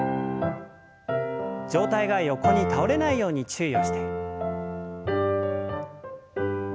上体が横に倒れないように注意をして。